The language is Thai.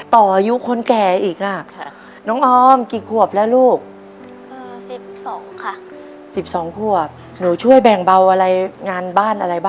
ถึงไม่กลับบ้าน